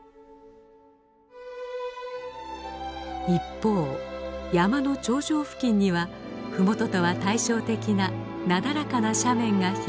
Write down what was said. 一方山の頂上付近にはふもととは対照的ななだらかな斜面が広がります。